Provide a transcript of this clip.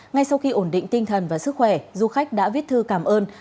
ngay sau khi ổn định tinh thần và sức khỏe du khách đã viết thư cảm ơn